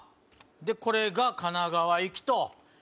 これが神奈川行きと。